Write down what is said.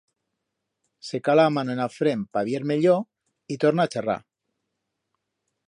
Se cala a mano en a frent pa vier mellor y torna a charrar.